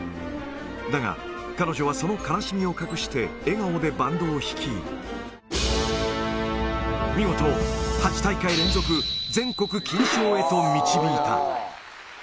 だが、彼女はその悲しみを隠して笑顔でバンドを率い、見事、８大会連続全国金賞へと導いた。